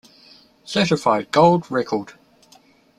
Certified Gold Record.